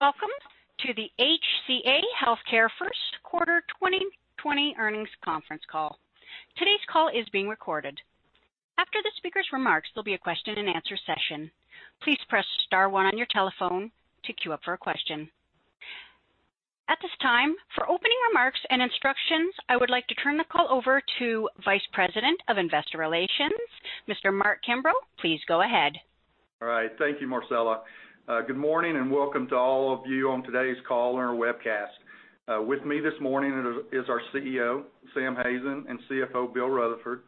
Welcome to the HCA Healthcare first quarter 2020 earnings conference call. Today's call is being recorded. After the speaker's remarks, there'll be a question-and-answer session. Please press star one on your telephone to queue up for a question. At this time, for opening remarks and instructions, I would like to turn the call over to Vice President of Investor Relations, Mr. Mark Kimbrough. Please go ahead. All right. Thank you, Marcella. Good morning, welcome to all of you on today's call on our webcast. With me this morning is our CEO, Sam Hazen, and CFO, Bill Rutherford.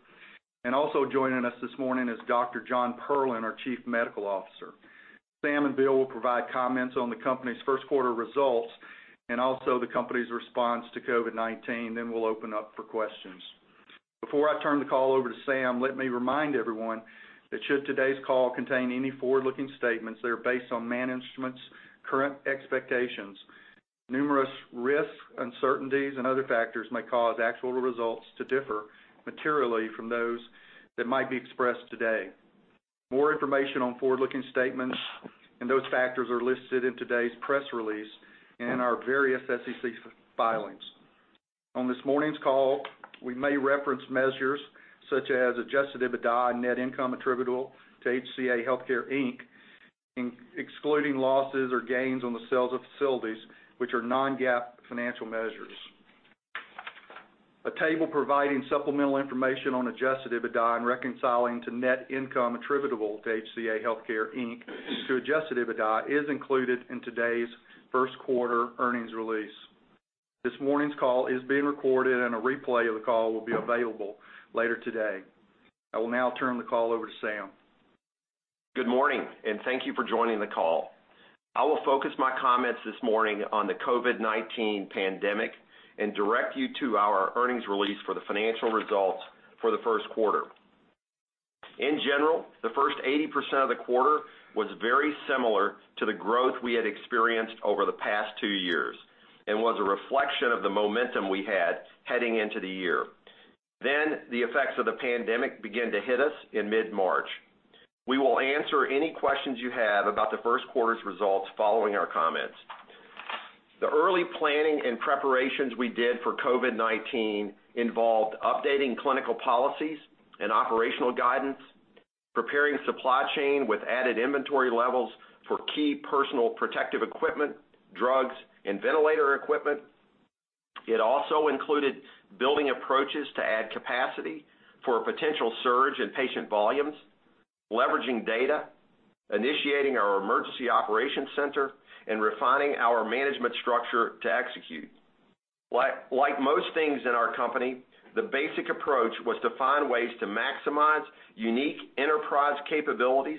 Also joining us this morning is Dr. Jonathan Perlin, our Chief Medical Officer. Sam and Bill will provide comments on the company's first quarter results and also the company's response to COVID-19. We'll open up for questions. Before I turn the call over to Sam, let me remind everyone that should today's call contain any forward-looking statements, they are based on management's current expectations. Numerous risks, uncertainties, and other factors may cause actual results to differ materially from those that might be expressed today. More information on forward-looking statements and those factors are listed in today's press release and in our various SEC filings. On this morning's call, we may reference measures such as adjusted EBITDA and net income attributable to HCA Healthcare, Inc, excluding losses or gains on the sales of facilities, which are non-GAAP financial measures. A table providing supplemental information on adjusted EBITDA and reconciling to net income attributable to HCA Healthcare, Inc, to adjusted EBITDA, is included in today's first quarter earnings release. This morning's call is being recorded, and a replay of the call will be available later today. I will now turn the call over to Sam. Good morning. Thank you for joining the call. I will focus my comments this morning on the COVID-19 pandemic and direct you to our earnings release for the financial results for the first quarter. In general, the first 80% of the quarter was very similar to the growth we had experienced over the past two years and was a reflection of the momentum we had heading into the year. The effects of the pandemic began to hit us in mid-March. We will answer any questions you have about the first quarter's results following our comments. The early planning and preparations we did for COVID-19 involved updating clinical policies and operational guidance, preparing supply chain with added inventory levels for key personal protective equipment, drugs, and ventilator equipment. It also included building approaches to add capacity for a potential surge in patient volumes, leveraging data, initiating our emergency operations center, and refining our management structure to execute. Like most things in our company, the basic approach was to find ways to maximize unique enterprise capabilities,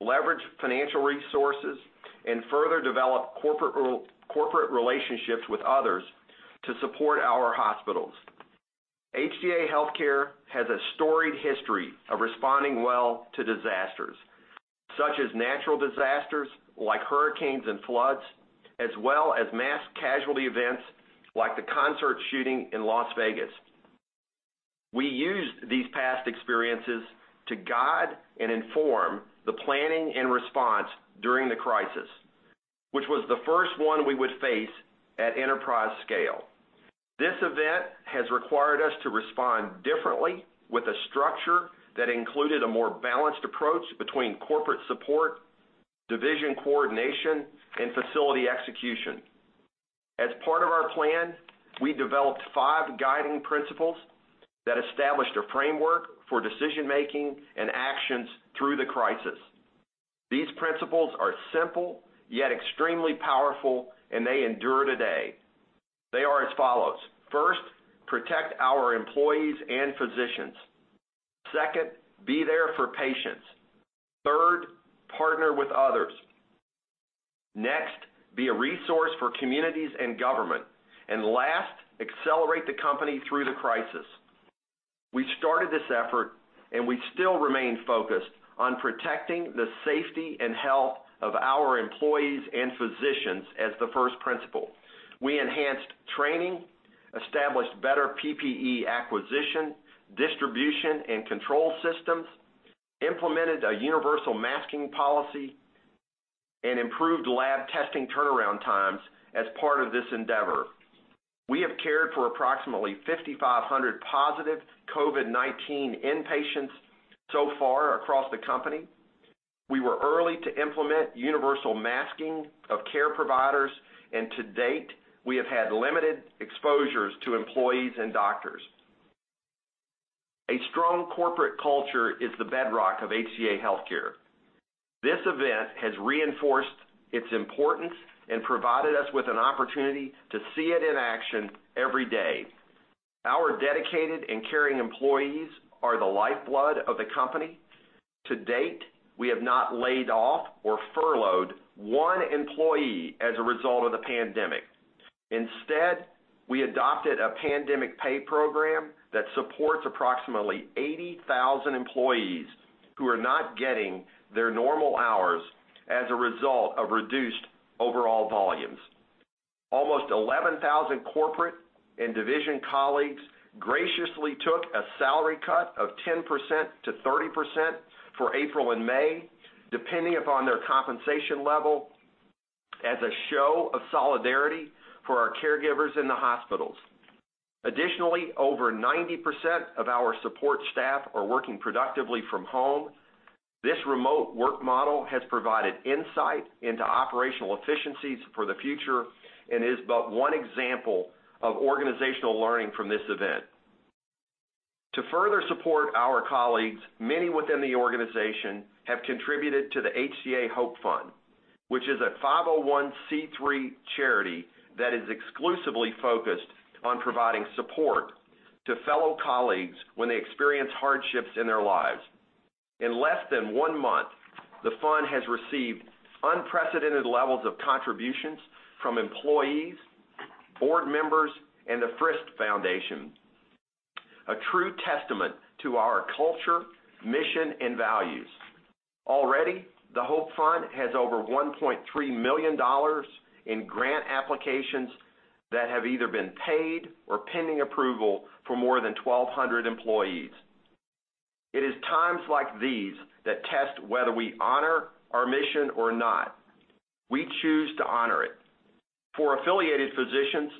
leverage financial resources, and further develop corporate relationships with others to support our hospitals. HCA Healthcare has a storied history of responding well to disasters, such as natural disasters like hurricanes and floods, as well as mass casualty events like the concert shooting in Las Vegas. We used these past experiences to guide and inform the planning and response during the crisis, which was the first one we would face at enterprise scale. This event has required us to respond differently with a structure that included a more balanced approach between corporate support, division coordination, and facility execution. As part of our plan, we developed five guiding principles that established a framework for decision-making and actions through the crisis. These principles are simple, yet extremely powerful, and they endure today. They are as follows. First, protect our employees and physicians. Second, be there for patients. Third, partner with others. Next, be a resource for communities and government. Last, accelerate the company through the crisis. We started this effort and we still remain focused on protecting the safety and health of our employees and physicians as the first principle. We enhanced training, established better PPE acquisition, distribution, and control systems, implemented a universal masking policy, and improved lab testing turnaround times as part of this endeavor. We have cared for approximately 5,500 positive COVID-19 inpatients so far across the company. We were early to implement universal masking of care providers, and to date, we have had limited exposures to employees and doctors. A strong corporate culture is the bedrock of HCA Healthcare. This event has reinforced its importance and provided us with an opportunity to see it in action every day. Our dedicated and caring employees are the lifeblood of the company. To date, we have not laid off or furloughed one employee as a result of the pandemic. Instead, we adopted a pandemic pay program that supports approximately 80,000 employees who are not getting their normal hours as a result of reduced overall volumes. Almost 11,000 corporate and division colleagues graciously took a salary cut of 10%-30% for April and May, depending upon their compensation level, as a show of solidarity for our caregivers in the hospitals. Additionally, over 90% of our support staff are working productively from home. This remote work model has provided insight into operational efficiencies for the future and is but one example of organizational learning from this event. To further support our colleagues, many within the organization have contributed to the HCA Hope Fund, which is a 501(c)(3) charity that is exclusively focused on providing support to fellow colleagues when they experience hardships in their lives. In less than one month, the fund has received unprecedented levels of contributions from employees, board members, and the Frist Foundation. A true testament to our culture, mission, and values. Already, the Hope Fund has over $1.3 million in grant applications that have either been paid or pending approval for more than 1,200 employees. It is times like these that test whether we honor our mission or not. We choose to honor it. For affiliated physicians,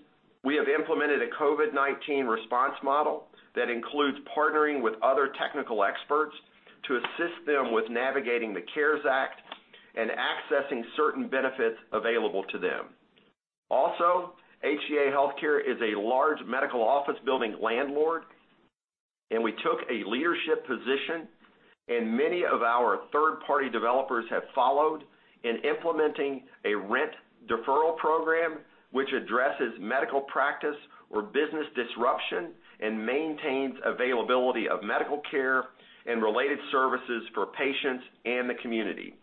we have implemented a COVID-19 response model that includes partnering with other technical experts to assist them with navigating the CARES Act and accessing certain benefits available to them. Also, HCA Healthcare is a large medical office building landlord, and we took a leadership position, and many of our third-party developers have followed in implementing a rent deferral program which addresses medical practice or business disruption and maintains availability of medical care and related services for patients and the community.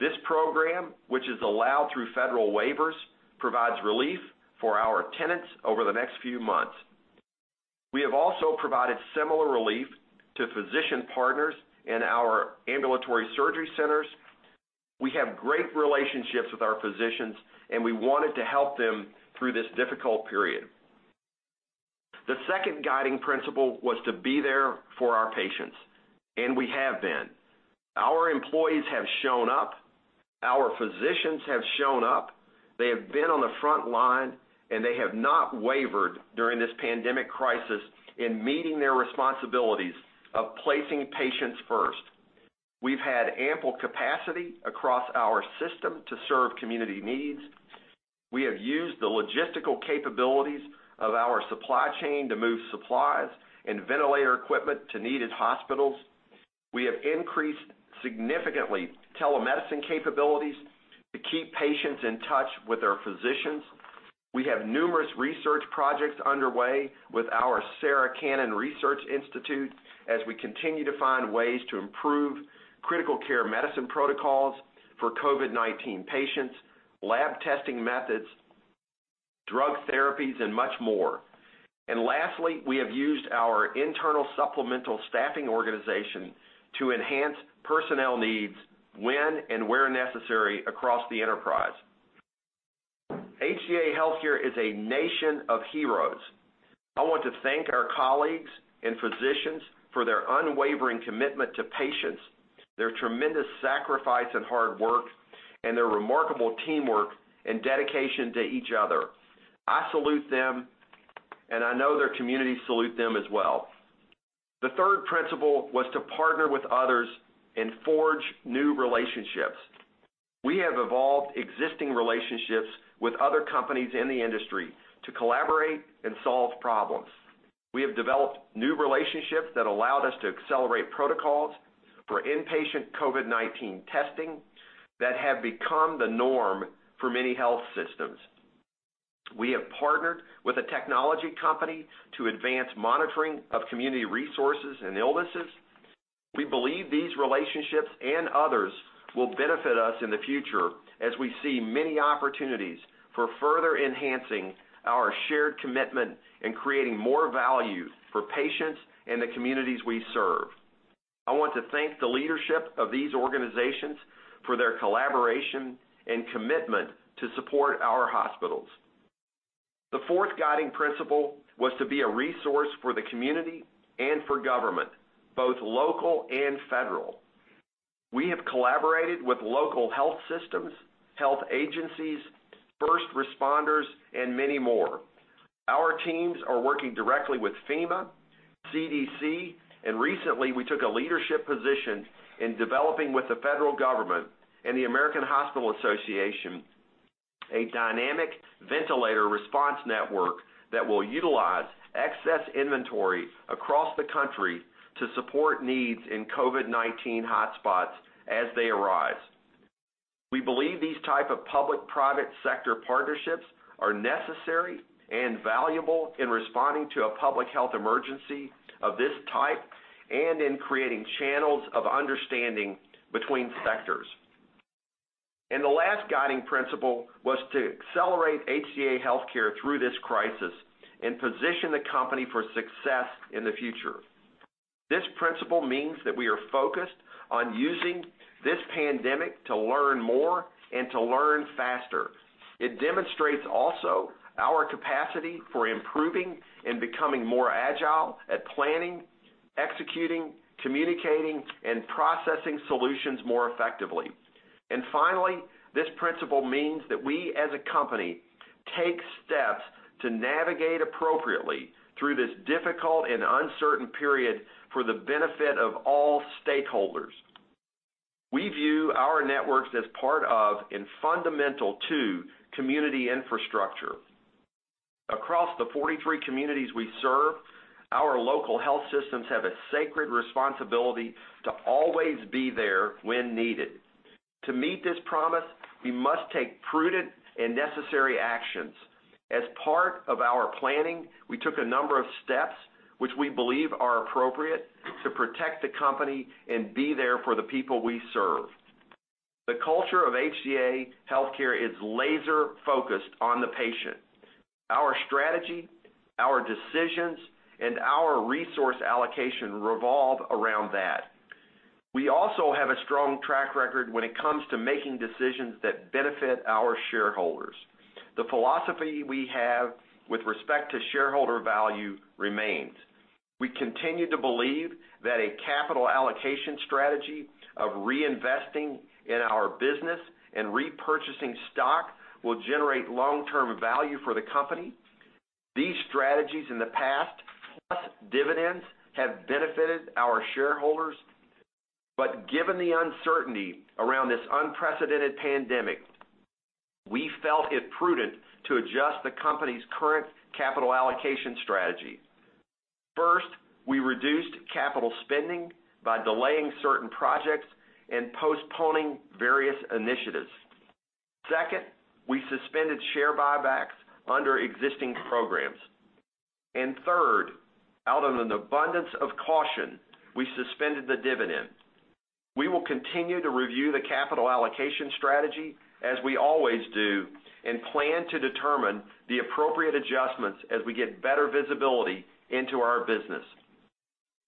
This program, which is allowed through federal waivers, provides relief for our tenants over the next few months. We have also provided similar relief to physician partners in our ambulatory surgery centers. We have great relationships with our physicians, and we wanted to help them through this difficult period. The second guiding principle was to be there for our patients, and we have been. Our employees have shown up, our physicians have shown up. They have been on the front line, and they have not wavered during this pandemic crisis in meeting their responsibilities of placing patients first. We've had ample capacity across our system to serve community needs. We have used the logistical capabilities of our supply chain to move supplies and ventilator equipment to needed hospitals. We have increased significantly telemedicine capabilities to keep patients in touch with their physicians. We have numerous research projects underway with our Sarah Cannon Research Institute as we continue to find ways to improve critical care medicine protocols for COVID-19 patients, lab testing methods, drug therapies, and much more. Lastly, we have used our internal supplemental staffing organization to enhance personnel needs when and where necessary across the enterprise. HCA Healthcare is a nation of heroes. I want to thank our colleagues and physicians for their unwavering commitment to patients, their tremendous sacrifice and hard work, and their remarkable teamwork and dedication to each other. I salute them, and I know their communities salute them as well. The third principle was to partner with others and forge new relationships. We have evolved existing relationships with other companies in the industry to collaborate and solve problems. We have developed new relationships that allowed us to accelerate protocols for in-patient COVID-19 testing that have become the norm for many health systems. We have partnered with a technology company to advance monitoring of community resources and illnesses. We believe these relationships and others will benefit us in the future as we see many opportunities for further enhancing our shared commitment in creating more value for patients and the communities we serve. I want to thank the leadership of these organizations for their collaboration and commitment to support our hospitals. The fourth guiding principle was to be a resource for the community and for government, both local and federal. We have collaborated with local health systems, health agencies, first responders, and many more. Our teams are working directly with FEMA, CDC, and recently, we took a leadership position in developing with the federal government and the American Hospital Association, a dynamic ventilator response network that will utilize excess inventory across the country to support needs in COVID-19 hotspots as they arise. We believe these type of public-private sector partnerships are necessary and valuable in responding to a public health emergency of this type and in creating channels of understanding between sectors. The last guiding principle was to accelerate HCA Healthcare through this crisis and position the company for success in the future. This principle means that we are focused on using this pandemic to learn more and to learn faster. It demonstrates also our capacity for improving and becoming more agile at planning, executing, communicating, and processing solutions more effectively. Finally, this principle means that we, as a company, take steps to navigate appropriately through this difficult and uncertain period for the benefit of all stakeholders. We view our networks as part of and fundamental to community infrastructure. Across the 43 communities we serve, our local health systems have a sacred responsibility to always be there when needed. To meet this promise, we must take prudent and necessary actions. As part of our planning, we took a number of steps which we believe are appropriate to protect the company and be there for the people we serve. The culture of HCA Healthcare is laser-focused on the patient. Our strategy, our decisions, and our resource allocation revolve around that. We also have a strong track record when it comes to making decisions that benefit our shareholders. The philosophy we have with respect to shareholder value remains. We continue to believe that a capital allocation strategy of reinvesting in our business and repurchasing stock will generate long-term value for the company. These strategies in the past, plus dividends, have benefited our shareholders. Given the uncertainty around this unprecedented pandemic, we felt it prudent to adjust the company's current capital allocation strategy. First, we reduced capital spending by delaying certain projects and postponing various initiatives. Second, we suspended share buybacks under existing programs. Third, out of an abundance of caution, we suspended the dividend. We will continue to review the capital allocation strategy as we always do and plan to determine the appropriate adjustments as we get better visibility into our business.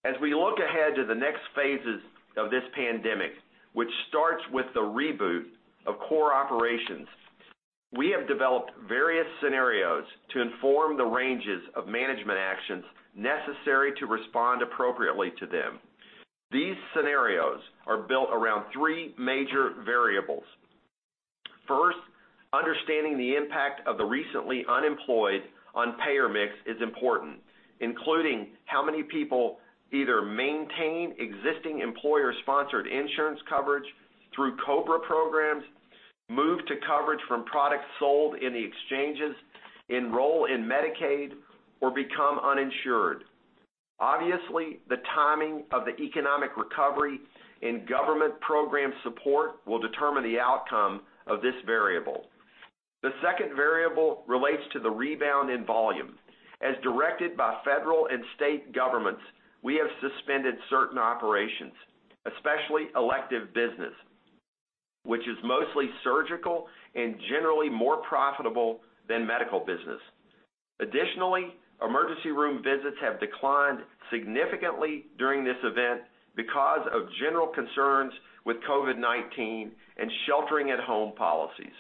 As we look ahead to the next phases of this pandemic, which starts with the reboot of core operations, we have developed various scenarios to inform the ranges of management actions necessary to respond appropriately to them. These scenarios are built around three major variables. First, understanding the impact of the recently unemployed on payer mix is important, including how many people either maintain existing employer-sponsored insurance coverage through COBRA programs, move to coverage from products sold in the exchanges, enroll in Medicaid, or become uninsured. Obviously, the timing of the economic recovery and government program support will determine the outcome of this variable. The second variable relates to the rebound in volume. As directed by federal and state governments, we have suspended certain operations, especially elective business, which is mostly surgical and generally more profitable than medical business. Additionally, emergency room visits have declined significantly during this event because of general concerns with COVID-19 and sheltering at home policies.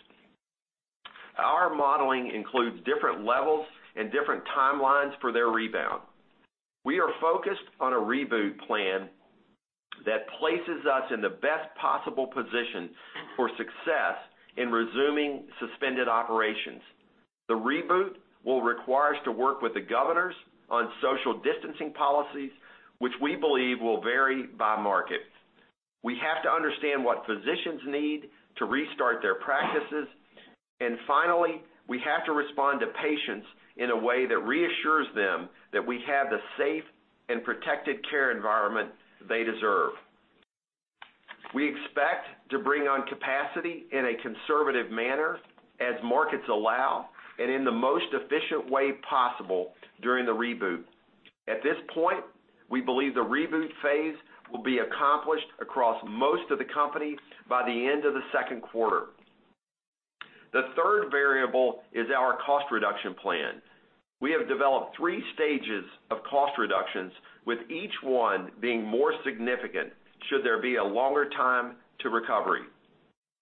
Our modeling includes different levels and different timelines for their rebound. We are focused on a reboot plan that places us in the best possible position for success in resuming suspended operations. The reboot will require us to work with the governors on social distancing policies, which we believe will vary by market. We have to understand what physicians need to restart their practices. Finally, we have to respond to patients in a way that reassures them that we have the safe and protected care environment they deserve. We expect to bring on capacity in a conservative manner as markets allow and in the most efficient way possible during the reboot. At this point, we believe the reboot phase will be accomplished across most of the company by the end of the second quarter. The third variable is our cost reduction plan. We have developed three stages of cost reductions, with each one being more significant should there be a longer time to recovery.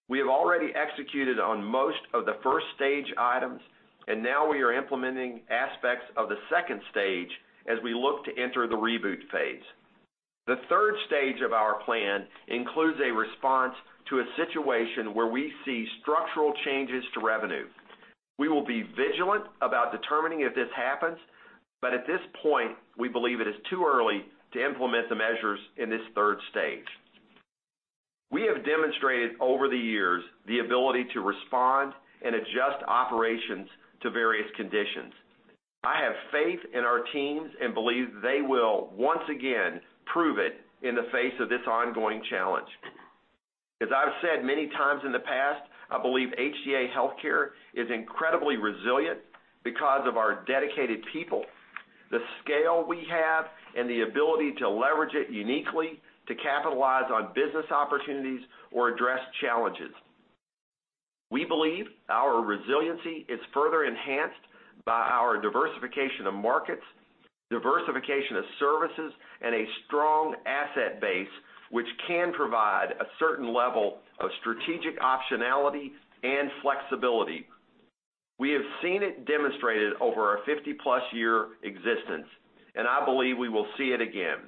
We have already executed on most of the first stage items, and now we are implementing aspects of the second stage as we look to enter the reboot phase. The third stage of our plan includes a response to a situation where we see structural changes to revenue. We will be vigilant about determining if this happens, but at this point, we believe it is too early to implement the measures in this third stage. We have demonstrated over the years the ability to respond and adjust operations to various conditions. I have faith in our teams and believe they will once again prove it in the face of this ongoing challenge. As I've said many times in the past, I believe HCA Healthcare is incredibly resilient because of our dedicated people, the scale we have, and the ability to leverage it uniquely to capitalize on business opportunities or address challenges. We believe our resiliency is further enhanced by our diversification of markets, diversification of services, and a strong asset base, which can provide a certain level of strategic optionality and flexibility. We have seen it demonstrated over our 50-plus year existence, and I believe we will see it again.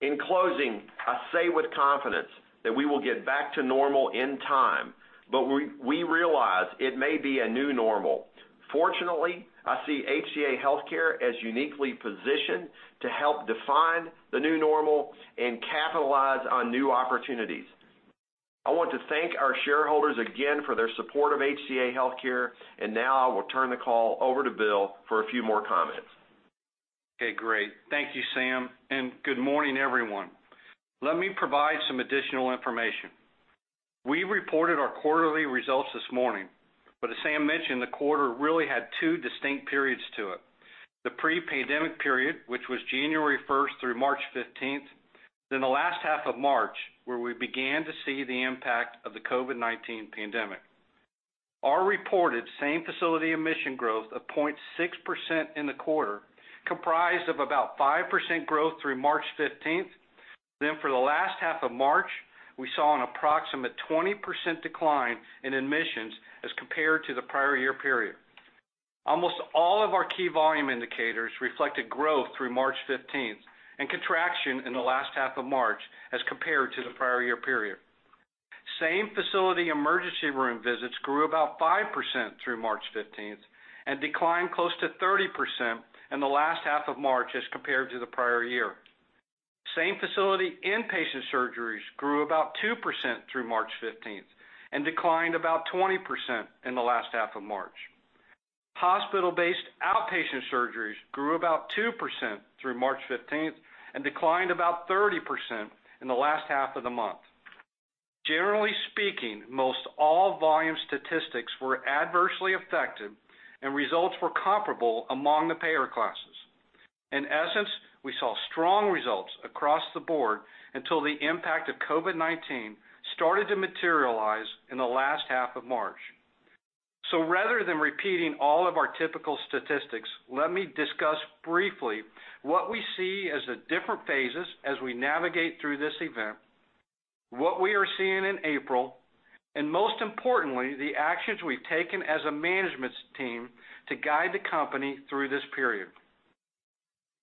In closing, I say with confidence that we will get back to normal in time, but we realize it may be a new normal. Fortunately, I see HCA Healthcare as uniquely positioned to help define the new normal and capitalize on new opportunities. I want to thank our shareholders again for their support of HCA Healthcare, and now I will turn the call over to Bill for a few more comments. Okay, great. Thank you, Sam. Good morning, everyone. Let me provide some additional information. We reported our quarterly results this morning. As Sam mentioned, the quarter really had two distinct periods to it. The pre-pandemic period, which was January 1st through March 15th, then the last half of March, where we began to see the impact of the COVID-19 pandemic. Our reported same-facility admission growth of 0.6% in the quarter comprised of about 5% growth through March 15th. For the last half of March, we saw an approximate 20% decline in admissions as compared to the prior year period. Almost all of our key volume indicators reflected growth through March 15th and contraction in the last half of March as compared to the prior year period. Same-facility emergency room visits grew about 5% through March 15th and declined close to 30% in the last half of March as compared to the prior year. Same-facility inpatient surgeries grew about 2% through March 15th and declined about 20% in the last half of March. Hospital-based outpatient surgeries grew about 2% through March 15th and declined about 30% in the last half of the month. Generally speaking, most all volume statistics were adversely affected and results were comparable among the payer classes. In essence, we saw strong results across the board until the impact of COVID-19 started to materialize in the last half of March. Rather than repeating all of our typical statistics, let me discuss briefly what we see as the different phases as we navigate through this event, what we are seeing in April, and most importantly, the actions we've taken as a management team to guide the company through this period.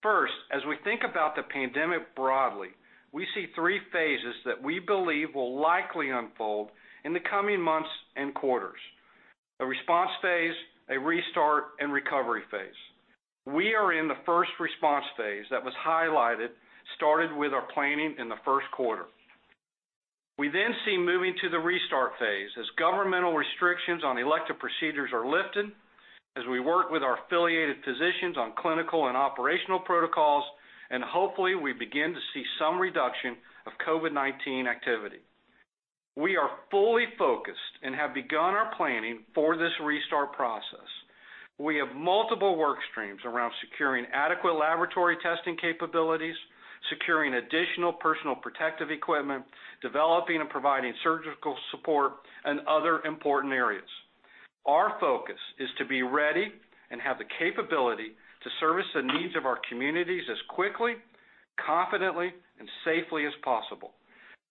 First, as we think about the pandemic broadly, we see three phases that we believe will likely unfold in the coming months and quarters. A response phase, a restart, and recovery phase. We are in the first response phase that was highlighted, started with our planning in the first quarter. We then see moving to the restart phase as governmental restrictions on elective procedures are lifted, as we work with our affiliated physicians on clinical and operational protocols, and hopefully we begin to see some reduction of COVID-19 activity. We are fully focused and have begun our planning for this restart process. We have multiple work streams around securing adequate laboratory testing capabilities, securing additional personal protective equipment, developing and providing surgical support, and other important areas. Our focus is to be ready and have the capability to service the needs of our communities as quickly, confidently, and safely as possible.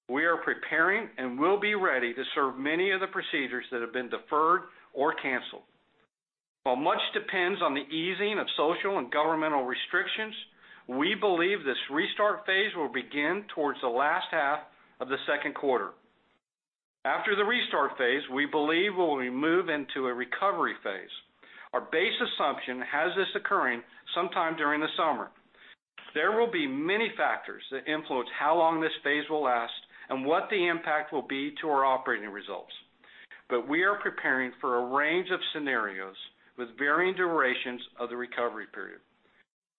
We are preparing and will be ready to serve many of the procedures that have been deferred or canceled. While much depends on the easing of social and governmental restrictions, we believe this restart phase will begin towards the last half of the second quarter. After the restart phase, we believe we will move into a recovery phase. Our base assumption has this occurring sometime during the summer. There will be many factors that influence how long this phase will last and what the impact will be to our operating results. We are preparing for a range of scenarios with varying durations of the recovery period.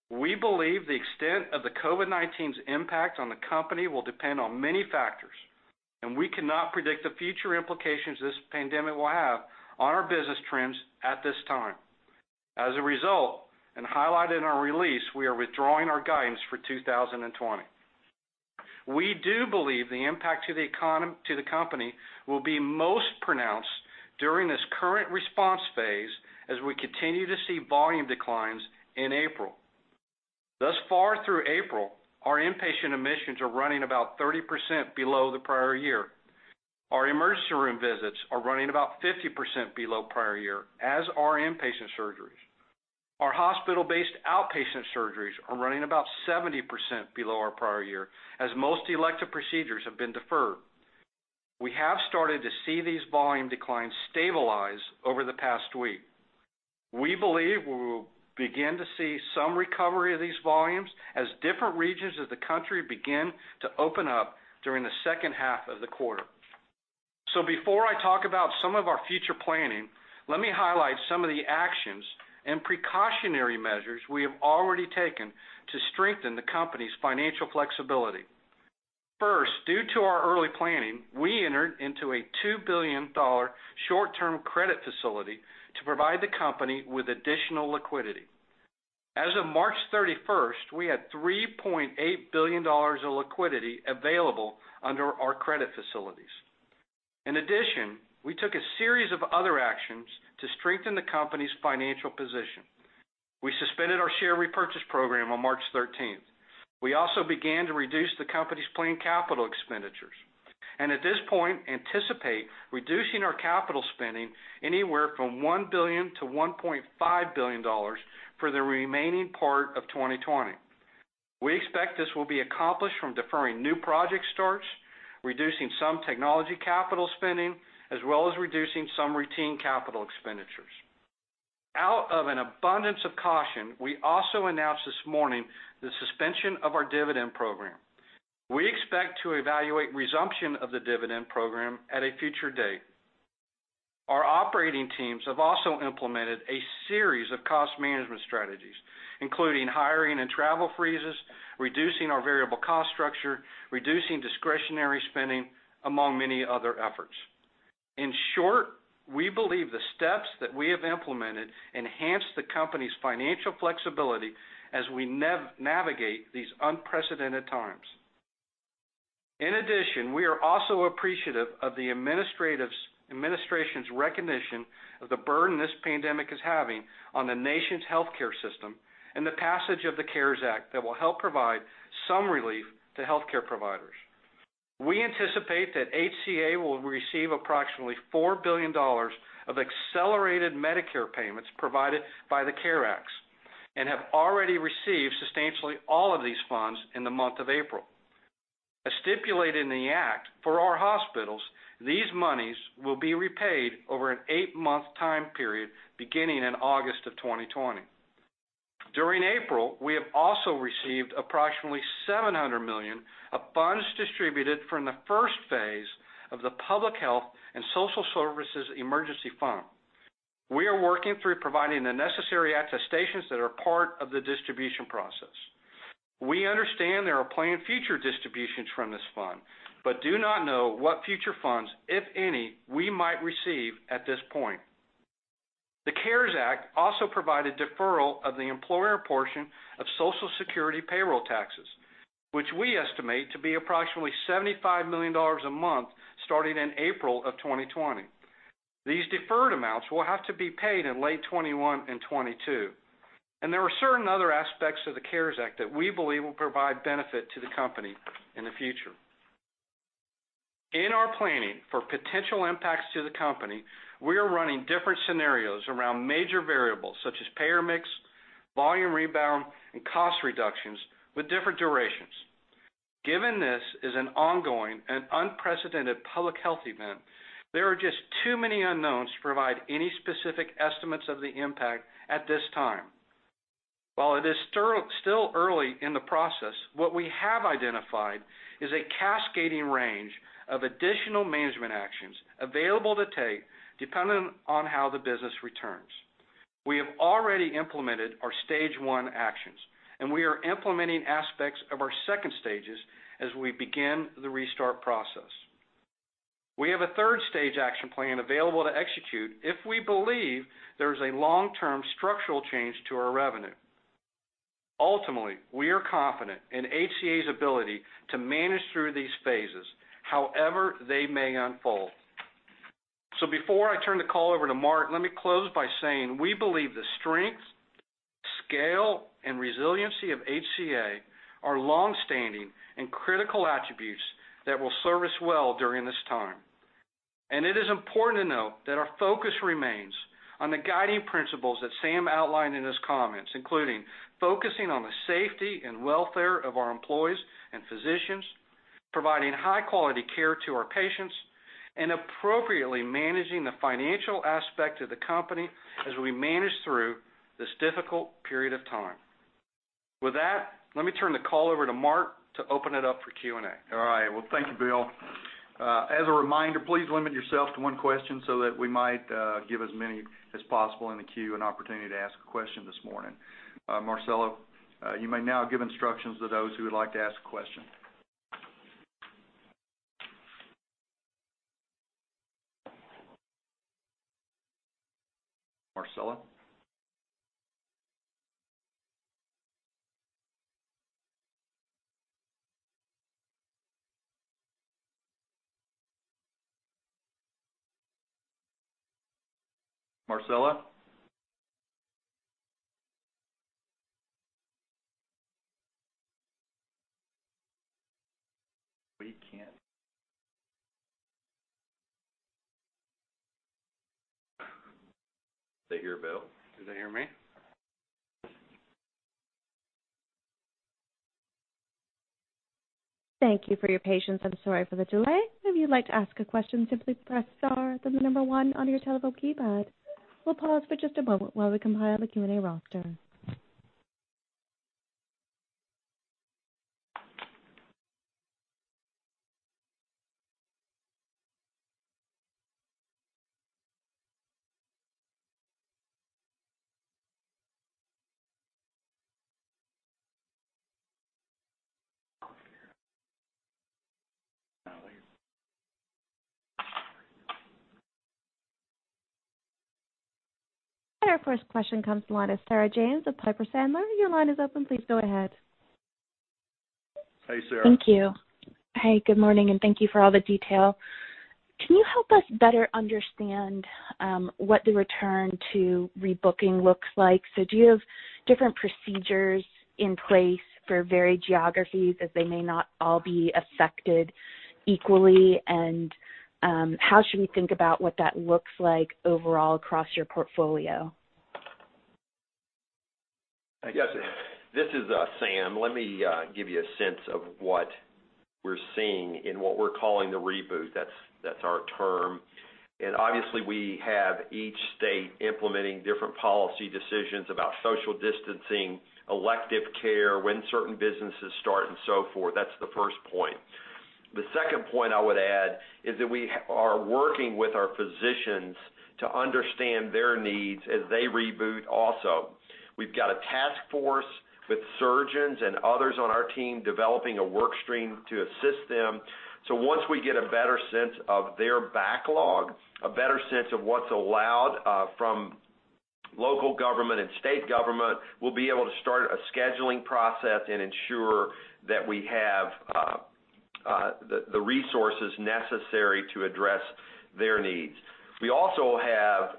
We believe the extent of the COVID-19's impact on the company will depend on many factors, and we cannot predict the future implications this pandemic will have on our business trends at this time. As a result, and highlighted in our release, we are withdrawing our guidance for 2020. We do believe the impact to the company will be most pronounced during this current response phase as we continue to see volume declines in April. Thus far through April, our inpatient admissions are running about 30% below the prior year. Our emergency room visits are running about 50% below prior year, as are inpatient surgeries. Our hospital-based outpatient surgeries are running about 70% below our prior year, as most elective procedures have been deferred. We have started to see these volume declines stabilize over the past week. We believe we will begin to see some recovery of these volumes as different regions of the country begin to open up during the second half of the quarter. Before I talk about some of our future planning, let me highlight some of the actions and precautionary measures we have already taken to strengthen the company's financial flexibility. First, due to our early planning, we entered into a $2 billion short-term credit facility to provide the company with additional liquidity. As of March 31st, we had $3.8 billion of liquidity available under our credit facilities. In addition, we took a series of other actions to strengthen the company's financial position. We suspended our share repurchase program on March 13th. We also began to reduce the company's planned capital expenditures, and at this point, anticipate reducing our capital spending anywhere from $1 billion-$1.5 billion for the remaining part of 2020. We expect this will be accomplished from deferring new project starts, reducing some technology capital spending, as well as reducing some routine capital expenditures. Out of an abundance of caution, we also announced this morning the suspension of our dividend program. We expect to evaluate resumption of the dividend program at a future date. Our operating teams have also implemented a series of cost management strategies, including hiring and travel freezes, reducing our variable cost structure, reducing discretionary spending, among many other efforts. In short, we believe the steps that we have implemented enhance the company's financial flexibility as we navigate these unprecedented times. In addition, we are also appreciative of the administration's recognition of the burden this pandemic is having on the nation's healthcare system, and the passage of the CARES Act that will help provide some relief to healthcare providers. We anticipate that HCA will receive approximately $4 billion of accelerated Medicare payments provided by the CARES Act, and have already received substantially all of these funds in the month of April. As stipulated in the act, for our hospitals, these monies will be repaid over an eight-month time period, beginning in August of 2020. During April, we have also received approximately $700 million of funds distributed from the first phase of the Public Health and Social Services Emergency Fund. We are working through providing the necessary attestations that are part of the distribution process. We understand there are planned future distributions from this fund, but do not know what future funds, if any, we might receive at this point. The CARES Act also provided deferral of the employer portion of Social Security payroll taxes, which we estimate to be approximately $75 million a month starting in April of 2020. These deferred amounts will have to be paid in late 2021 and 2022. There are certain other aspects of the CARES Act that we believe will provide benefit to the company in the future. In our planning for potential impacts to the company, we are running different scenarios around major variables such as payer mix, volume rebound, and cost reductions with different durations. Given this is an ongoing and unprecedented public health event, there are just too many unknowns to provide any specific estimates of the impact at this time. While it is still early in the process, what we have identified is a cascading range of additional management actions available to take depending on how the business returns. We have already implemented our stage 1 actions, and we are implementing aspects of our second stages as we begin the restart process. We have a third stage action plan available to execute if we believe there is a long-term structural change to our revenue. Ultimately, we are confident in HCA's ability to manage through these phases, however they may unfold. Before I turn the call over to Mark, let me close by saying we believe the strength, scale, and resiliency of HCA are longstanding and critical attributes that will serve us well during this time. It is important to note that our focus remains on the guiding principles that Sam outlined in his comments, including focusing on the safety and welfare of our employees and physicians, providing high-quality care to our patients, and appropriately managing the financial aspect of the company as we manage through this difficult period of time. With that, let me turn the call over to Mark to open it up for Q&A. All right. Well, thank you, Bill. As a reminder, please limit yourself to one question so that we might give as many as possible in the queue an opportunity to ask a question this morning. Marcella, you may now give instructions to those who would like to ask a question. Marcella? Marcella? They hear Bill. Do they hear me? Thank you for your patience. Sorry for the delay. If you'd like to ask a question, simply press star, then the number one on your telephone keypad. We'll pause for just a moment while we compile the Q&A roster. Our first question comes to the line of Sarah James of Piper Sandler. Your line is open. Please go ahead. Hey, Sarah. Thank you. Good morning, thank you for all the detail. Can you help us better understand what the return to rebooking looks like? Do you have different procedures in place for varied geographies as they may not all be affected equally? How should we think about what that looks like overall across your portfolio? I guess, this is Sam. Let me give you a sense of what we're seeing in what we're calling the reboot. That's our term. Obviously, we have each state implementing different policy decisions about social distancing, elective care, when certain businesses start, and so forth. That's the first point. The second point I would add is that we are working with our physicians to understand their needs as they reboot also. We've got a task force with surgeons and others on our team developing a work stream to assist them. Once we get a better sense of their backlog, a better sense of what's allowed from local government and state government, we'll be able to start a scheduling process and ensure that we have the resources necessary to address their needs. We also have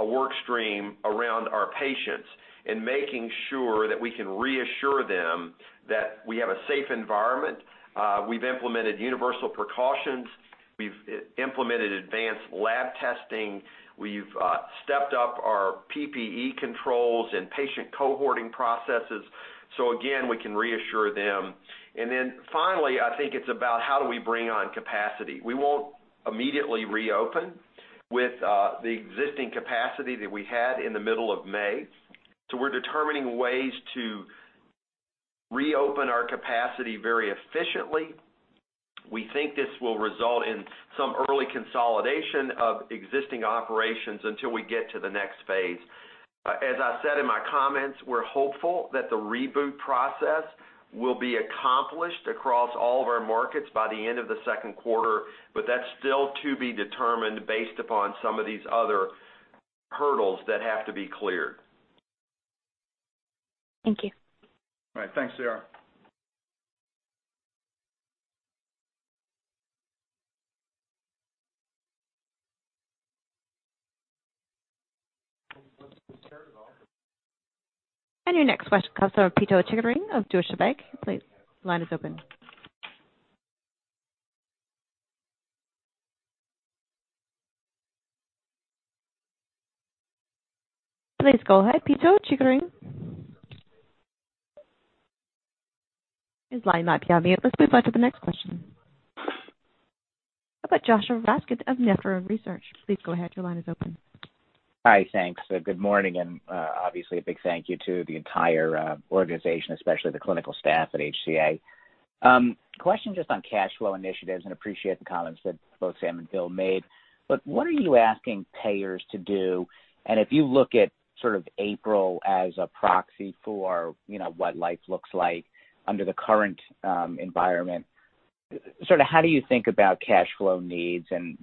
a work stream around our patients and making sure that we can reassure them that we have a safe environment. We've implemented universal precautions. We've implemented advanced lab testing. We've stepped up our PPE controls and patient cohorting processes. Again, we can reassure them. Finally, I think it's about how do we bring on capacity. We won't immediately reopen with the existing capacity that we had in the middle of May. We're determining ways to reopen our capacity very efficiently. We think this will result in some early consolidation of existing operations until we get to the next phase. As I said in my comments, we're hopeful that the reboot process will be accomplished across all of our markets by the end of the second quarter, but that's still to be determined based upon some of these other hurdles that have to be cleared. Thank you. All right. Thanks, Sarah. Your next question comes from Pito Chickering of Deutsche Bank. Please, line is open. Please go ahead, Pito Chickering. His line might be on mute. Let's move on to the next question. How about Joshua Raskin of Nephron Research? Please go ahead. Your line is open. Hi. Thanks. Good morning. Obviously, a big thank you to the entire organization, especially the clinical staff at HCA. Question just on cash flow initiatives. Appreciate the comments that both Sam and Bill made. What are you asking payers to do? If you look at April as a proxy for what life looks like under the current environment, how do you think about cash flow needs, and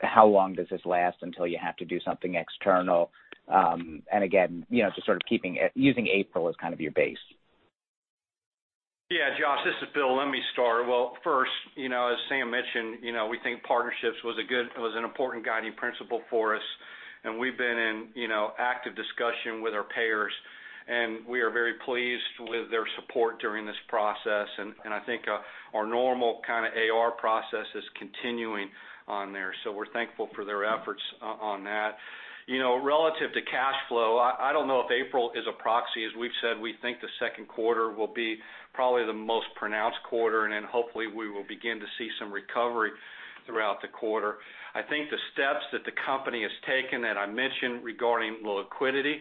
how long does this last until you have to do something external? Again, just sort of keeping it, using April as kind of your base. Yeah, Josh, this is Bill. Let me start. Well, first, as Sam mentioned, we think partnerships was an important guiding principle for us. We've been in active discussion with our payers, and we are very pleased with their support during this process. I think our normal kind of AR process is continuing on there. We're thankful for their efforts on that. Relative to cash flow, I don't know if April is a proxy. As we've said, we think the second quarter will be probably the most pronounced quarter. Hopefully, we will begin to see some recovery throughout the quarter. I think the steps that the company has taken that I mentioned regarding liquidity,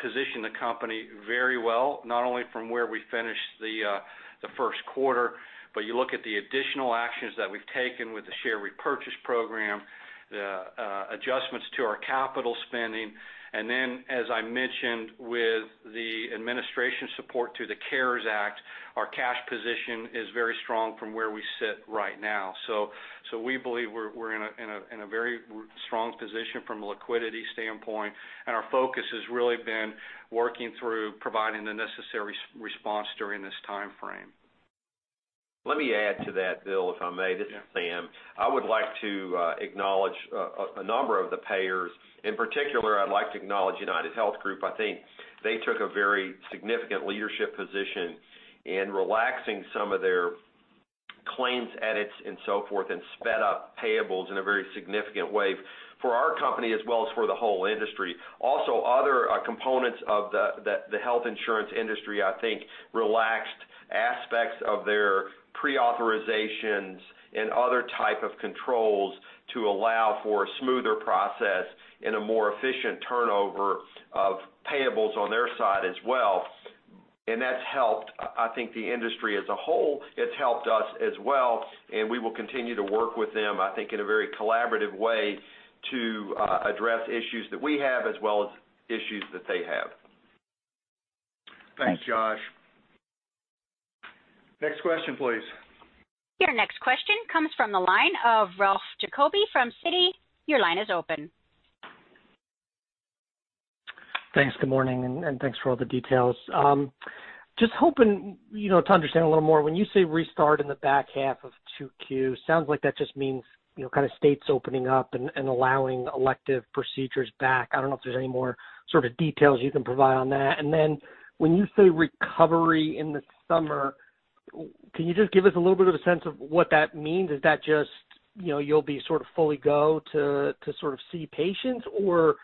position the company very well, not only from where we finished the first quarter, but you look at the additional actions that we've taken with the share repurchase program, the adjustments to our capital spending. As I mentioned, with the administration support through the CARES Act, our cash position is very strong from where we sit right now. We believe we're in a very strong position from a liquidity standpoint, and our focus has really been working through providing the necessary response during this time frame. Let me add to that, Bill, if I may. Yeah. This is Sam. I would like to acknowledge a number of the payers. In particular, I'd like to acknowledge UnitedHealth Group. I think they took a very significant leadership position in relaxing some of their claims edits and so forth, and sped up payables in a very significant way for our company as well as for the whole industry. Also, other components of the health insurance industry, I think, relaxed aspects of their pre-authorizations and other type of controls to allow for a smoother process and a more efficient turnover of payables on their side as well, and that's helped, I think, the industry as a whole. It's helped us as well, and we will continue to work with them, I think, in a very collaborative way to address issues that we have as well as issues that they have. Thanks. Thanks, Josh Next question, please. Your next question comes from the line of Ralph Giacobbe from Citi. Your line is open. Thanks. Good morning. Thanks for all the details. Just hoping to understand a little more, when you say restart in the back half of 2Q, sounds like that just means states opening up and allowing elective procedures back. I don't know if there's any more details you can provide on that. When you say recovery in the summer, can you just give us a little bit of a sense of what that means? Is that just, you'll be sort of fully go to see patients, or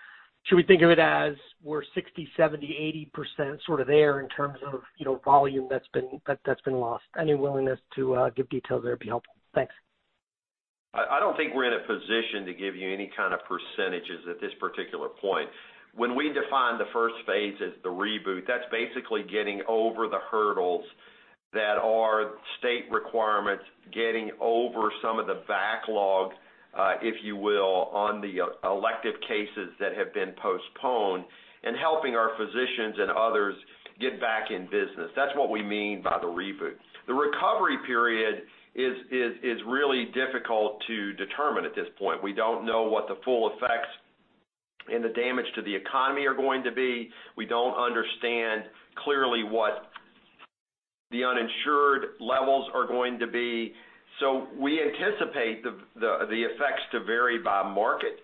should we think of it as we're 60%, 70%, 80% there in terms of volume that's been lost? Any willingness to give details there would be helpful. Thanks. I don't think we're in a position to give you any kind of percentages at this particular point. When we define the first phase as the reboot, that's basically getting over the hurdles that are state requirements, getting over some of the backlog, if you will, on the elective cases that have been postponed, and helping our physicians and others get back in business. That's what we mean by the reboot. The recovery period is really difficult to determine at this point. We don't know what the full effects and the damage to the economy are going to be. We don't understand clearly what the uninsured levels are going to be. We anticipate the effects to vary by market.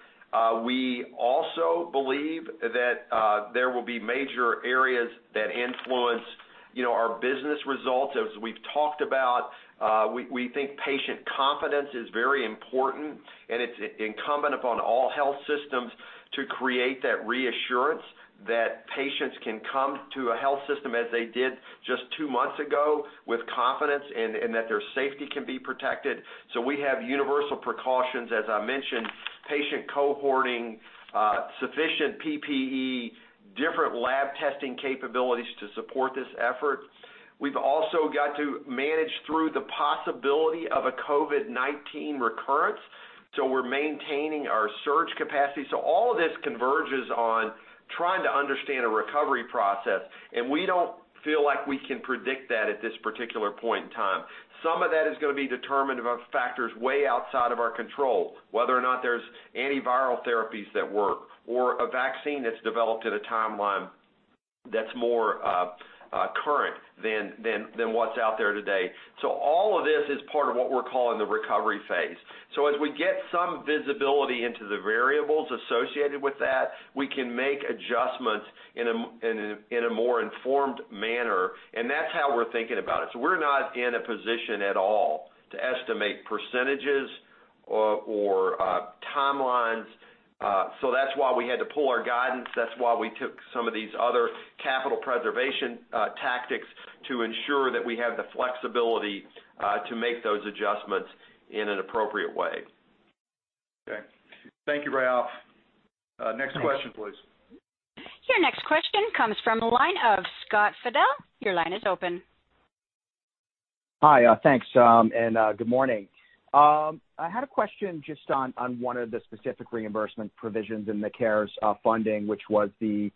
We also believe that there will be major areas that influence our business results. As we've talked about, we think patient confidence is very important, and it's incumbent upon all health systems to create that reassurance that patients can come to a health system as they did just two months ago with confidence and that their safety can be protected. We have universal precautions, as I mentioned, patient cohorting, sufficient PPE, different lab testing capabilities to support this effort. We've also got to manage through the possibility of a COVID-19 recurrence, so we're maintaining our surge capacity. All of this converges on trying to understand a recovery process, and we don't feel like we can predict that at this particular point in time. Some of that is going to be determined by factors way outside of our control. Whether or not there's antiviral therapies that work or a vaccine that's developed at a timeline that's more current than what's out there today. All of this is part of what we're calling the recovery phase. As we get some visibility into the variables associated with that, we can make adjustments in a more informed manner, and that's how we're thinking about it. We're not in a position at all to estimate percentages or timelines. That's why we had to pull our guidance. That's why we took some of these other capital preservation tactics to ensure that we have the flexibility to make those adjustments in an appropriate way. Okay. Thank you, Ralph. Next question, please. Your next question comes from the line of Scott Fidel. Your line is open. Hi. Thanks, good morning. I had a question just on one of the specific reimbursement provisions in the CARES funding, which was the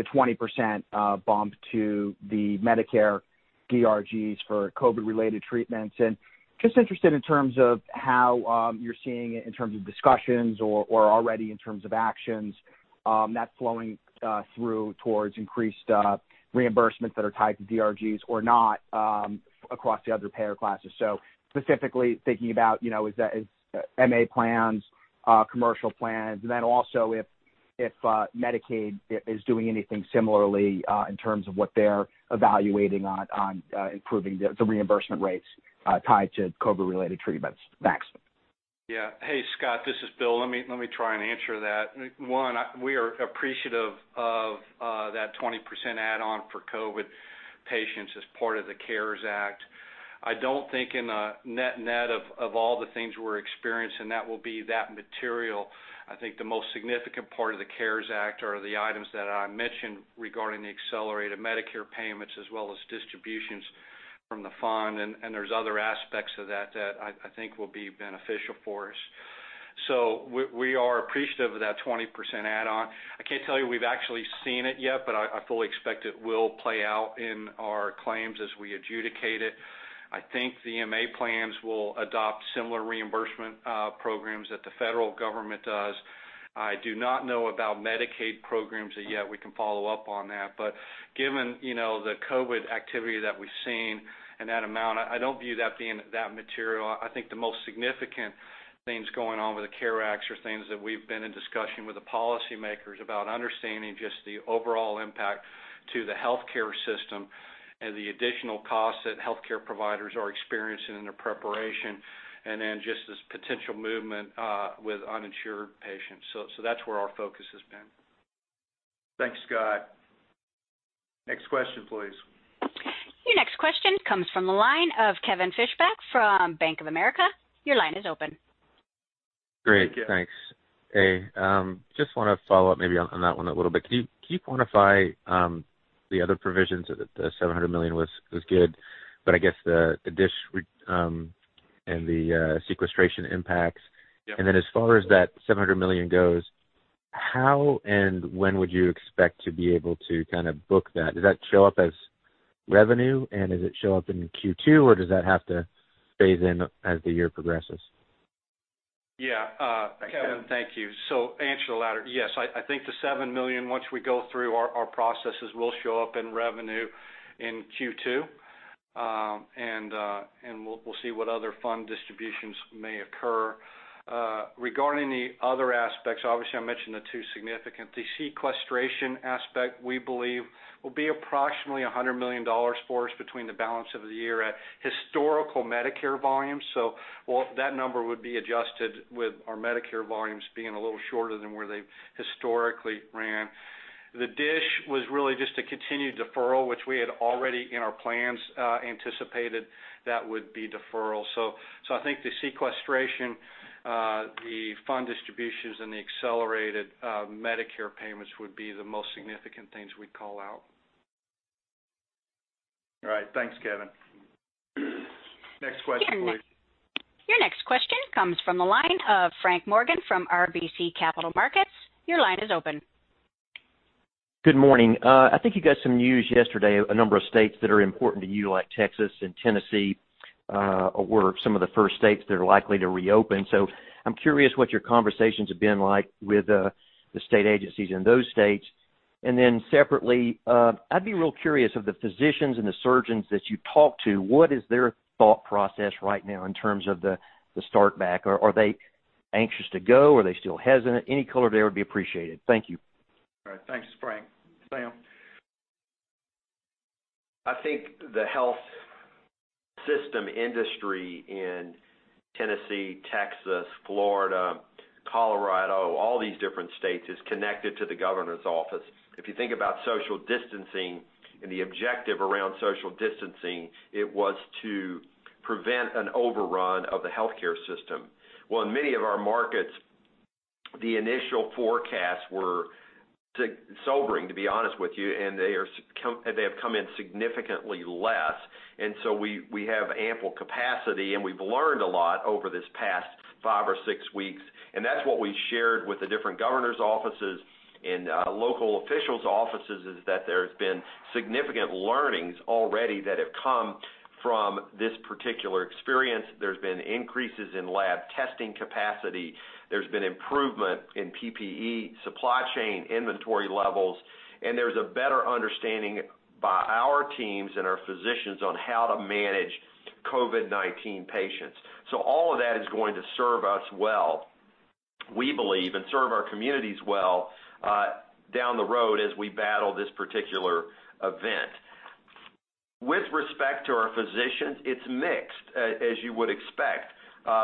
20% bump to the Medicare DRGs for COVID-related treatments. Just interested in terms of how you're seeing it in terms of discussions or already in terms of actions that's flowing through towards increased reimbursements that are tied to DRGs or not across the other payer classes. Specifically thinking about MA plans, commercial plans, and then also if Medicaid is doing anything similarly in terms of what they're evaluating on improving the reimbursement rates tied to COVID-related treatments. Thanks. Hey, Scott. This is Bill. Let me try and answer that. We are appreciative of that 20% add-on for COVID patients as part of the CARES Act. I don't think in a net of all the things we're experiencing, that will be that material. I think the most significant part of the CARES Act are the items that I mentioned regarding the accelerated Medicare payments as well as distributions from the fund. There's other aspects of that that I think will be beneficial for us. We are appreciative of that 20% add-on. I can't tell you we've actually seen it yet. I fully expect it will play out in our claims as we adjudicate it. I think the MA plans will adopt similar reimbursement programs that the federal government does. I do not know about Medicaid programs yet. We can follow up on that. Given the COVID activity that we've seen and that amount, I don't view that being that material. I think the most significant things going on with the CARES Acts are things that we've been in discussion with the policymakers about understanding just the overall impact to the healthcare system and the additional costs that healthcare providers are experiencing in their preparation, and then just this potential movement with uninsured patients. So that's where our focus has been. Thanks, Scott. Next question, please. Your next question comes from the line of Kevin Fischbeck from Bank of America. Your line is open. Great. Thanks. Hey, just want to follow up maybe on that one a little bit. Can you quantify the other provisions? The $700 million was good, but I guess the DSH and the sequestration impacts. As far as that $700 million goes. How and when would you expect to be able to book that? Does that show up as revenue, and does it show up in Q2, or does that have to phase in as the year progresses? Kevin, thank you. Answer to the latter. Yes, I think the $7 million, once we go through our processes, will show up in revenue in Q2. We'll see what other fund distributions may occur. Regarding the other aspects, obviously, I mentioned the two significant. The sequestration aspect, we believe, will be approximately $100 million for us between the balance of the year at historical Medicare volumes. That number would be adjusted with our Medicare volumes being a little shorter than where they historically ran. The DSH was really just a continued deferral, which we had already, in our plans, anticipated that would be deferral. I think the sequestration, the fund distributions, and the accelerated Medicare payments would be the most significant things we'd call out. All right. Thanks, Kevin. Next question, please. Your next question comes from the line of Frank Morgan from RBC Capital Markets. Your line is open. Good morning. I think you had some news yesterday, a number of states that are important to you, like Texas and Tennessee, were some of the first states that are likely to reopen. I'm curious what your conversations have been like with the state agencies in those states. Separately, I'd be real curious of the physicians and the surgeons that you talk to, what is their thought process right now in terms of the start back? Are they anxious to go? Are they still hesitant? Any color there would be appreciated. Thank you. All right. Thanks, Frank. Sam? I think the health system industry in Tennessee, Texas, Florida, Colorado, all these different states, is connected to the governor's office. If you think about social distancing and the objective around social distancing, it was to prevent an overrun of the healthcare system. Well, in many of our markets, the initial forecasts were sobering, to be honest with you. They have come in significantly less. We have ample capacity, and we've learned a lot over this past five or six weeks, and that's what we shared with the different governors' offices and local officials' offices, is that there's been significant learnings already that have come from this particular experience. There's been increases in lab testing capacity. There's been improvement in PPE supply chain inventory levels. There's a better understanding by our teams and our physicians on how to manage COVID-19 patients. All of that is going to serve us well, we believe, and serve our communities well down the road as we battle this particular event. With respect to our physicians, it's mixed, as you would expect.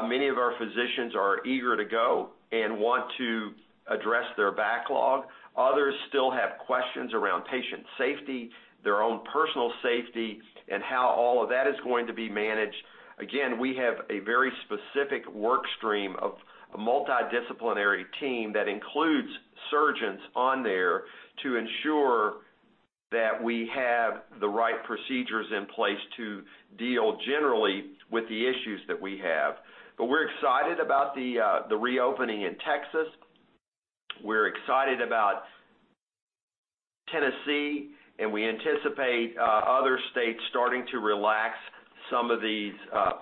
Many of our physicians are eager to go and want to address their backlog. Others still have questions around patient safety, their own personal safety, and how all of that is going to be managed. Again, we have a very specific work stream of a multidisciplinary team that includes surgeons on there to ensure that we have the right procedures in place to deal generally with the issues that we have. We're excited about the reopening in Texas. We're excited about Tennessee. We anticipate other states starting to relax some of these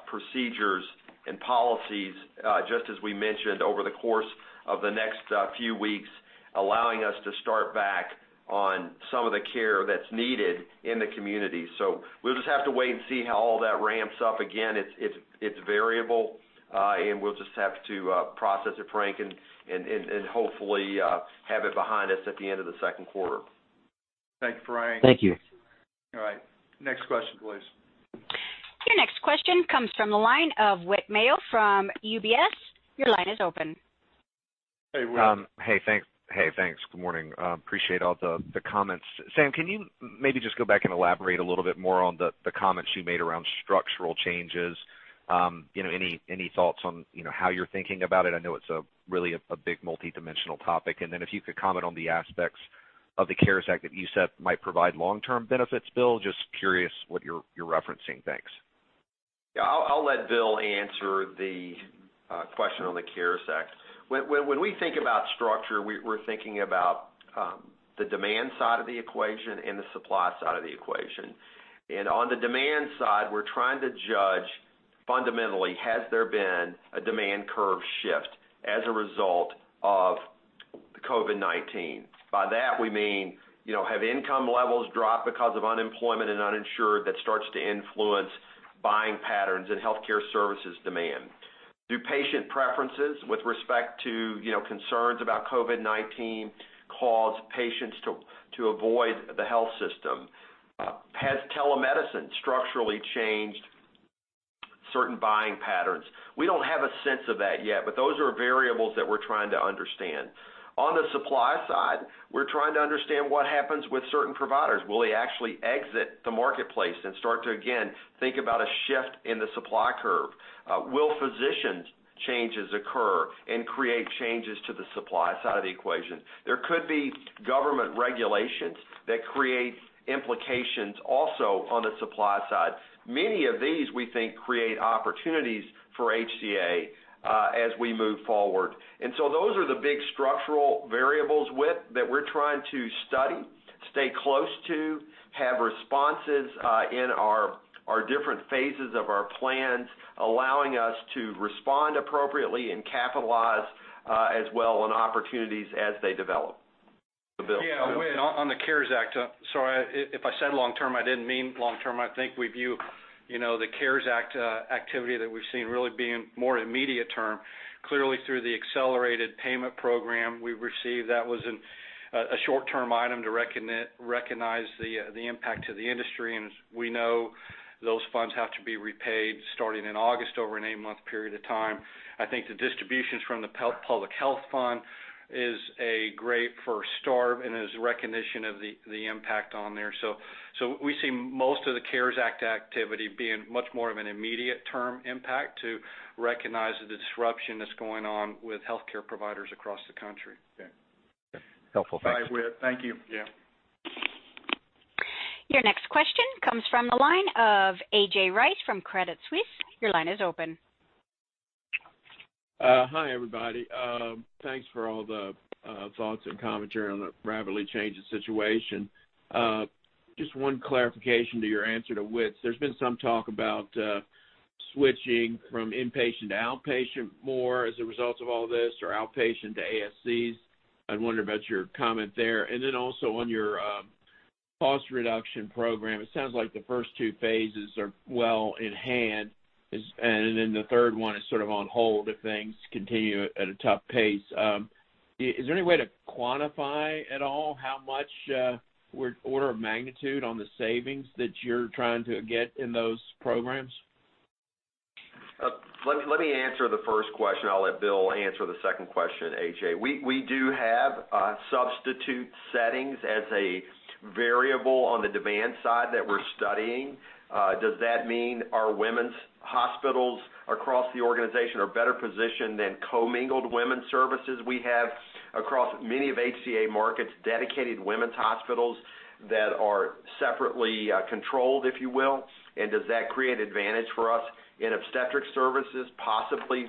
procedures and policies, just as we mentioned over the course of the next few weeks, allowing us to start back on some of the care that's needed in the community. We'll just have to wait and see how all that ramps up. Again, it's variable, and we'll just have to process it, Frank, and hopefully have it behind us at the end of the second quarter. Thanks, Frank. Thank you. All right. Next question, please. Your next question comes from the line of Whit Mayo from UBS. Your line is open. Hey, Whit. Hey, thanks. Good morning. Appreciate all the comments. Sam, can you maybe just go back and elaborate a little bit more on the comments you made around structural changes? Any thoughts on how you're thinking about it? I know it's really a big multidimensional topic. If you could comment on the aspects of the CARES Act that you said might provide long-term benefits, Bill. Just curious what you're referencing. Thanks. Yeah. I'll let Bill answer the question on the CARES Act. When we think about structure, we're thinking about the demand side of the equation and the supply side of the equation. On the demand side, we're trying to judge fundamentally, has there been a demand curve shift as a result of the COVID-19? By that, we mean, have income levels dropped because of unemployment and uninsured that starts to influence buying patterns and healthcare services demand? Do patient preferences with respect to concerns about COVID-19 cause patients to avoid the health system? Has telemedicine structurally changed certain buying patterns? We don't have a sense of that yet, but those are variables that we're trying to understand. On the supply side, we're trying to understand what happens with certain providers. Will they actually exit the marketplace and start to, again, think about a shift in the supply curve? Will physicians changes occur and create changes to the supply side of the equation? There could be government regulations that create implications also on the supply side. Many of these, we think, create opportunities for HCA as we move forward. Those are the big structural variables, Whit, that we're trying to study, stay close to, have responses in our different phases of our plans, allowing us to respond appropriately and capitalize as well on opportunities as they develop. Bill. Whit, on the CARES Act, sorry, if I said long-term, I didn't mean long-term. I think we view the CARES Act activity that we've seen really being more immediate term. Through the accelerated payment program we received, that was a short-term item to recognize the impact to the industry. We know those funds have to be repaid starting in August, over an eight-month period of time. I think the distributions from the Public Health Fund is a great first start and is a recognition of the impact on there. We see most of the CARES Act activity being much more of an immediate term impact to recognize the disruption that's going on with healthcare providers across the country. Okay. Helpful. Thanks. Bye, Whit. Thank you. Yeah. Your next question comes from the line of A.J. Rice from Credit Suisse. Your line is open. Hi, everybody. Thanks for all the thoughts and commentary on the rapidly changing situation. Just one clarification to your answer to Whit. There's been some talk about switching from inpatient to outpatient more as a result of all this, or outpatient to ASCs. I wonder about your comment there. Also on your cost reduction program, it sounds like the first two phases are well in hand, the third one is sort of on hold if things continue at a tough pace. Is there any way to quantify at all how much order of magnitude on the savings that you're trying to get in those programs? Let me answer the first question. I'll let Bill answer the second question, A.J. We do have substitute settings as a variable on the demand side that we're studying. Does that mean our women's hospitals across the organization are better positioned than co-mingled women's services? We have, across many of HCA markets, dedicated women's hospitals that are separately controlled, if you will. Does that create advantage for us in obstetric services? Possibly.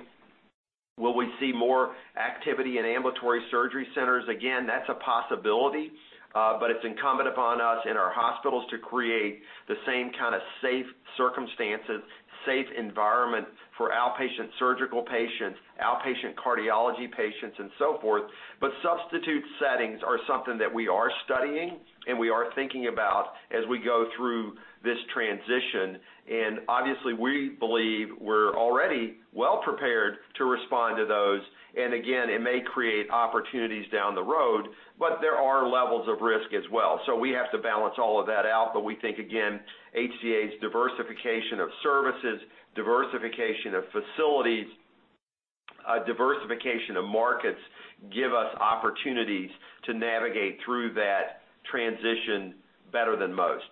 Will we see more activity in ambulatory surgery centers? Again, that's a possibility. It's incumbent upon us and our hospitals to create the same kind of safe circumstances, safe environment for outpatient surgical patients, outpatient cardiology patients, and so forth. Substitute settings are something that we are studying and we are thinking about as we go through this transition. Obviously, we believe we're already well-prepared to respond to those. Again, it may create opportunities down the road, but there are levels of risk as well. We have to balance all of that out. We think, again, HCA's diversification of services, diversification of facilities, diversification of markets give us opportunities to navigate through that transition better than most.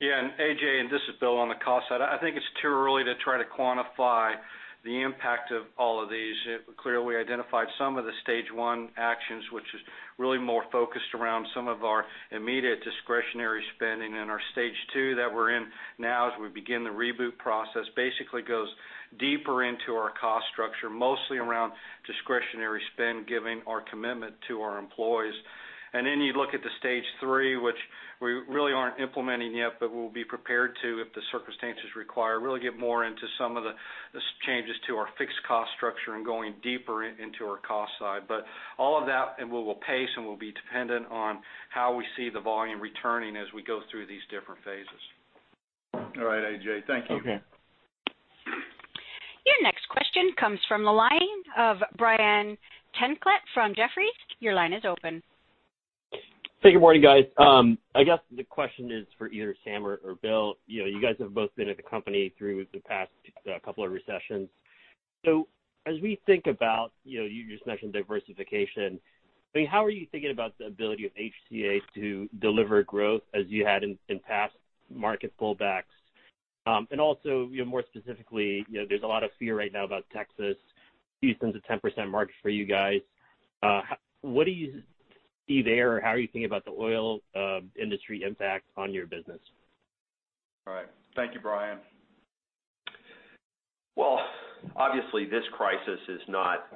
Yeah, and A.J., and this is Bill on the cost side, I think it's too early to try to quantify the impact of all of these. Clearly, we identified some of the stage 1 actions, which is really more focused around some of our immediate discretionary spending. Our stage 2 that we're in now, as we begin the reboot process, basically goes deeper into our cost structure, mostly around discretionary spend, giving our commitment to our employees. You look at the stage 3, which we really aren't implementing yet, but we'll be prepared to if the circumstances require, really get more into some of the changes to our fixed cost structure and going deeper into our cost side. All of that, and we will pace, and we'll be dependent on how we see the volume returning as we go through these different phases. All right, A.J., thank you. Okay. Your next question comes from the line of Brian Tanquilut from Jefferies. Your line is open. Hey, good morning, guys. I guess the question is for either Sam or Bill. You guys have both been at the company through the past couple of recessions. As we think about, you just mentioned diversification, how are you thinking about the ability of HCA to deliver growth as you had in past market pullbacks? Also, more specifically, there's a lot of fear right now about Texas. Houston's a 10% market for you guys. What do you see there? How are you thinking about the oil industry impact on your business? All right. Thank you, Brian. Obviously, this crisis is not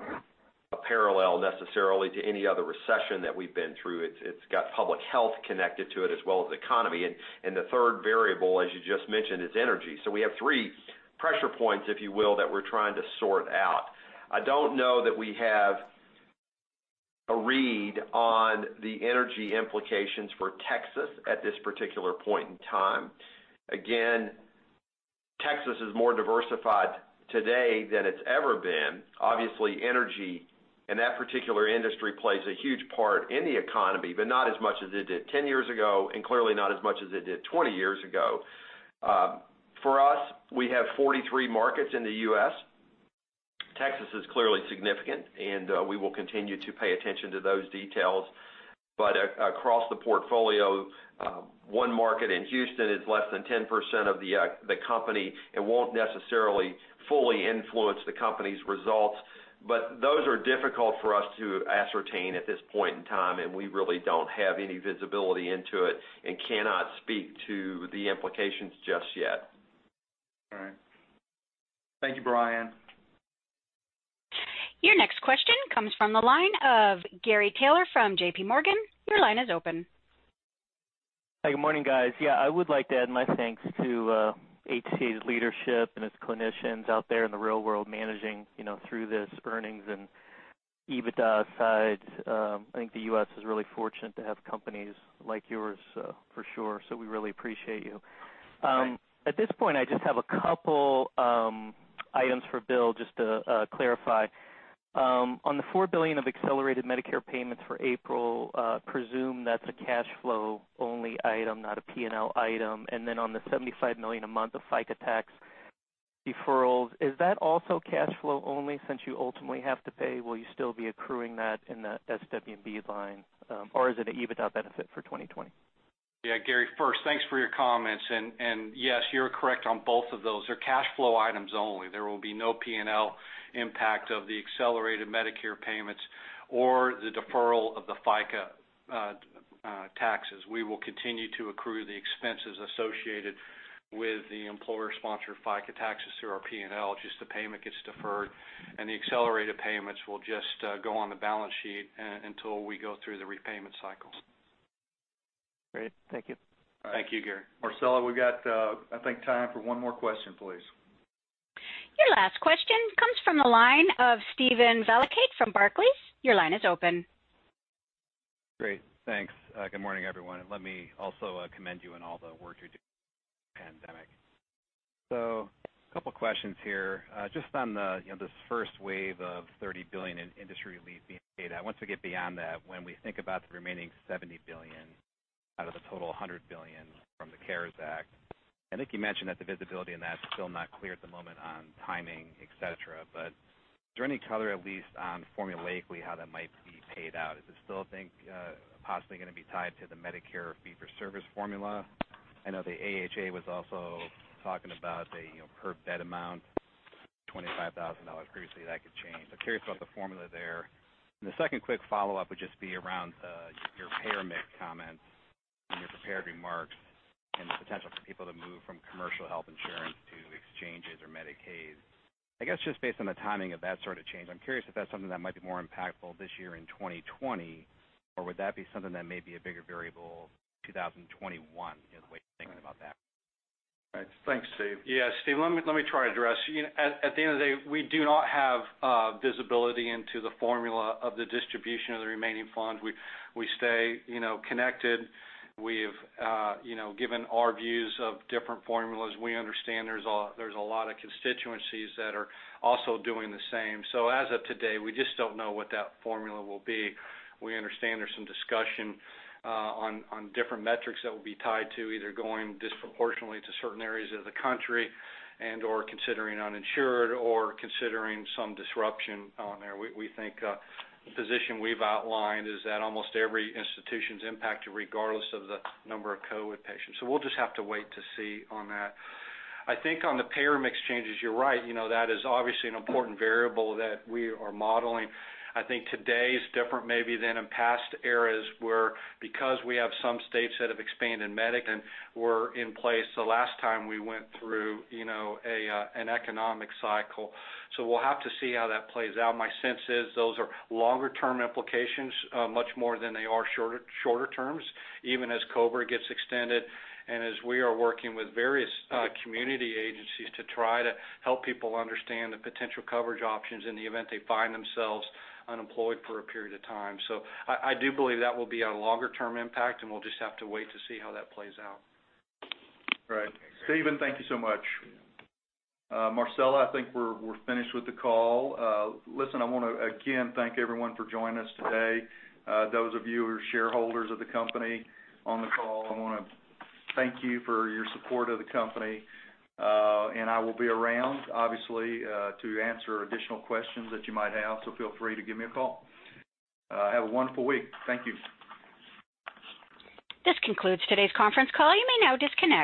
a parallel necessarily to any other recession that we've been through. It's got public health connected to it as well as economy. The third variable, as you just mentioned, is energy. We have three pressure points, if you will, that we're trying to sort out. I don't know that we have a read on the energy implications for Texas at this particular point in time. Again, Texas is more diversified today than it's ever been. Obviously, energy and that particular industry plays a huge part in the economy, but not as much as it did 10 years ago, and clearly not as much as it did 20 years ago. For us, we have 43 markets in the U.S. Texas is clearly significant, and we will continue to pay attention to those details. Across the portfolio, one market in Houston is less than 10% of the company and won't necessarily fully influence the company's results. Those are difficult for us to ascertain at this point in time, and we really don't have any visibility into it and cannot speak to the implications just yet. All right. Thank you, Brian Your next question comes from the line of Gary Taylor from JPMorgan. Your line is open. I would like to add my thanks to HCA's leadership and its clinicians out there in the real world managing through this earnings and EBITDA sides. I think the U.S. is really fortunate to have companies like yours for sure, we really appreciate you. At this point, I just have a couple items for Bill just to clarify. On the $4 billion of accelerated Medicare payments for April, I presume that's a cash flow only item, not a P&L item. On the $75 million a month of FICA tax deferrals, is that also cash flow only since you ultimately have to pay? Will you still be accruing that in that SW&B line? Or is it an EBITDA benefit for 2020? Yeah, Gary, first, thanks for your comments. Yes, you're correct on both of those. They're cash flow items only. There will be no P&L impact of the accelerated Medicare payments or the deferral of the FICA taxes. We will continue to accrue the expenses associated with the employer-sponsored FICA taxes through our P&L, just the payment gets deferred, and the accelerated payments will just go on the balance sheet until we go through the repayment cycles. Great. Thank you. Thank you, Gary. Marcella, we've got, I think, time for one more question, please. Your last question comes from the line of Steven Valiquette from Barclays. Your line is open. Great. Thanks. Good morning, everyone. Let me also commend you on all the work you're doing during this pandemic. A couple of questions here. Just on this first wave of $30 billion in industry leading data, once we get beyond that, when we think about the remaining $70 billion out of the total $100 billion from the CARES Act, I think you mentioned that the visibility on that is still not clear at the moment on timing, et cetera. Is there any color, at least on formulaically, how that might be paid out? Is it still, I think, possibly going to be tied to the Medicare fee-for-service formula? I know the AHA was also talking about a per-bed amount, $25,000 previously. That could change. I'm curious about the formula there. The second quick follow-up would just be around your payer mix comments in your prepared remarks and the potential for people to move from commercial health insurance to exchanges or Medicaid. I guess just based on the timing of that sort of change, I'm curious if that's something that might be more impactful this year in 2020? Would that be something that may be a bigger variable in 2021, the way you're thinking about that? Thanks, Steve. Yeah, Steve, let me try to address. At the end of the day, we do not have visibility into the formula of the distribution of the remaining funds. We stay connected. We've given our views of different formulas. We understand there's a lot of constituencies that are also doing the same. As of today, we just don't know what that formula will be. We understand there's some discussion on different metrics that will be tied to either going disproportionately to certain areas of the country and/or considering uninsured or considering some disruption on there. We think the position we've outlined is that almost every institution is impacted regardless of the number of COVID patients. We'll just have to wait to see on that. I think on the payer mix changes, you're right. That is obviously an important variable that we are modeling. I think today is different maybe than in past eras where because we have some states that have expanded Medicaid and were in place the last time we went through an economic cycle. We'll have to see how that plays out. My sense is those are longer-term implications, much more than they are shorter terms, even as COBRA gets extended and as we are working with various community agencies to try to help people understand the potential coverage options in the event they find themselves unemployed for a period of time. I do believe that will be a longer-term impact, and we'll just have to wait to see how that plays out. Right. Steven, thank you so much. Marcella, I think we're finished with the call. Listen, I want to again thank everyone for joining us today. Those of you who are shareholders of the company on the call, I want to thank you for your support of the company. I will be around, obviously, to answer additional questions that you might have, so feel free to give me a call. Have a wonderful week. Thank you. This concludes today's conference call. You may now disconnect.